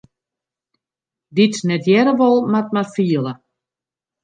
Dy't net hearre wol, moat mar fiele.